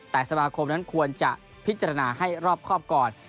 แต่สมาคมนั้นควรจะพิจารณาให้รอบครอบก่อน